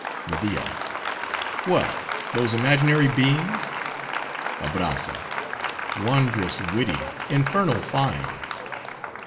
MEDIA—What! those imaginary beings? ABRAZZA—Wondrous witty! infernal fine!